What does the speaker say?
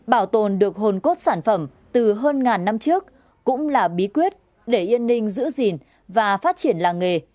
bảo tồn được hồn cốt sản phẩm từ hơn ngàn năm trước cũng là bí quyết để yên ninh giữ gìn và phát triển làng nghề